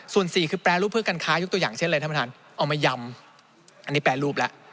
ส่วนสี่คือแปรรูปเพื่อการค้ายกตัวอย่างเช่นเลยท่านประธานเอามายำอันนี้แปรรูปแล้ว